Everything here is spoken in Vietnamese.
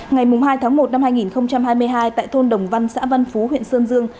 ngày hai một hai nghìn hai mươi hai tại thôn đồng văn xã văn phú huyện sơn dương